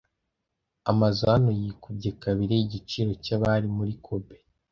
Amazu hano yikubye kabiri igiciro cyabari muri Kobe.